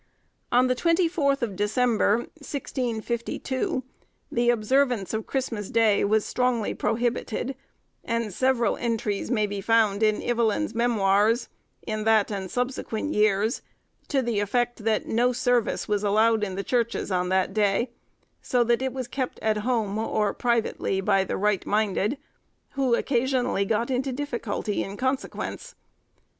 On the 24th of December, 1652, the observance of Christmas Day was strongly prohibited, and several entries may be found in Evelyn's Memoirs, in that and subsequent years, to the effect that no service was allowed in the churches on that day, so that it was kept at home or privately by the right minded, who occasionally got into difficulty in consequence.